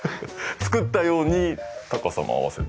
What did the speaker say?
作ったように高さも合わせて。